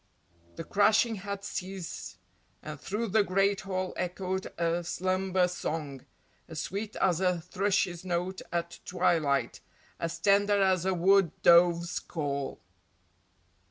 The crashing had ceased, and through the great hall echoed a slumber song, as sweet as a thrush's note at twilight, as tender as a wood dove's call.